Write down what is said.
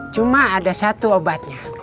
cuma ada satu obatnya